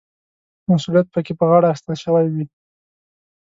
مسوولیت پکې په غاړه اخیستل شوی وي.